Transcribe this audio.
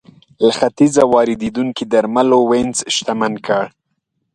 له ختیځه واردېدونکو درملو وینز شتمن کړ